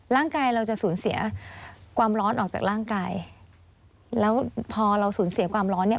ร่างกายเราจะสูญเสียความร้อนออกจากร่างกายแล้วพอเราสูญเสียความร้อนเนี่ย